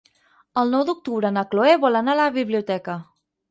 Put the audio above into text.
El nou d'octubre na Cloè vol anar a la biblioteca.